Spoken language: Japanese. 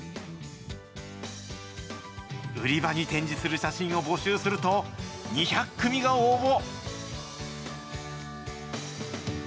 売り場に展示する写真を募集すると、２００組が応募。